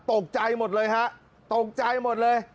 ตกใจหมดเลยฮะตกใจหมดเลย